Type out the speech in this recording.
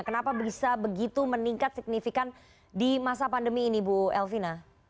kenapa bisa begitu meningkat signifikan di masa pandemi ini bu elvina